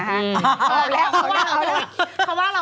เอาแล้วขอแล้วขอแล้วขอแล้ว